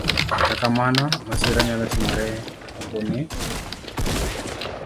Kata kamano, masira nyalo timore kapo ni